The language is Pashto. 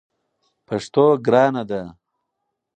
پښتو ګرانه ده!